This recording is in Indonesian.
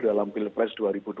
dalam pilpres dua ribu dua puluh